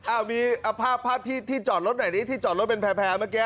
อ้าวมีภาพที่จอดรถไหนนี้ที่จอดรถเป็นแพร่เมื่อกี้